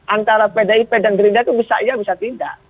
antara pdip dan gerinda itu bisa iya bisa tidak